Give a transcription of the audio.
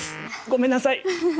ごめんなさい。